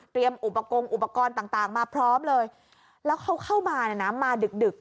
อุปกรณ์อุปกรณ์ต่างต่างมาพร้อมเลยแล้วเขาเข้ามาเนี่ยนะมาดึกดึก